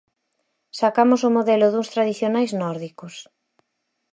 Sacamos o modelo duns tradicionais nórdicos.